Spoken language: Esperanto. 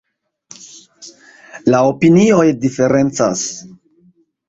La opinioj diferencas.